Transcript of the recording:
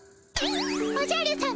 「おじゃるさま